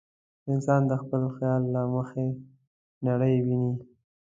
انسان د خپل خیال له مخې نړۍ ویني.